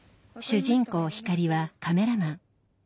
主人公ヒカリはカメラマン。